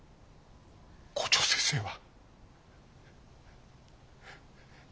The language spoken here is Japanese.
校長先生は。